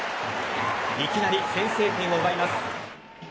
いきなり先制点を奪います。